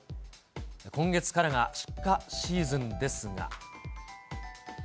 今月からが出荷シーズンですが。